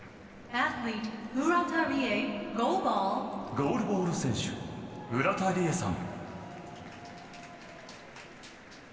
ゴールボール選手、浦田理恵さん。